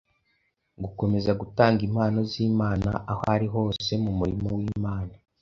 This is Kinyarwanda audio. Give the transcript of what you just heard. Gukomeza gutanga impano z’Imana aho ari ho hose mu murimo w’Imana